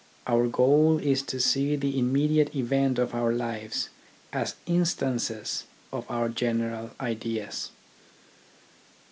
Our goal is to see the immediate event of our lives as instances of our general ideas.